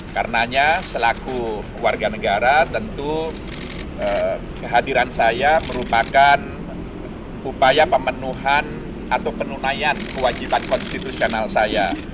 karenanya selaku warga negara tentu kehadiran saya merupakan upaya pemenuhan atau penunaian kewajiban konstitusional saya